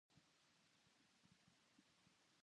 空が青くて綺麗だ